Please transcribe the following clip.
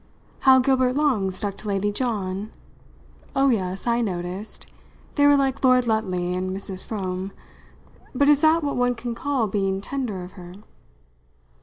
"How Gilbert Long stuck to Lady John? Oh yes, I noticed. They were like Lord Lutley and Mrs. Froome. But is that what one can call being tender of her?"